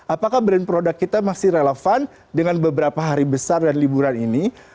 apakah brand produk kita masih relevan dengan beberapa hari besar dan liburan ini